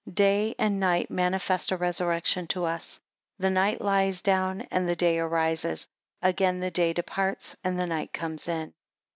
18 Day and night manifest a resurrection to us. The night lies down, and the day arises: again the day departs and the night comes on.